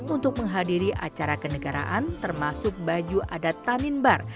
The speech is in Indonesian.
untuk menghadiri acara kenegaraan termasuk baju adat tanimbar